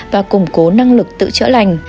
và củng cố năng lực tự chữa lành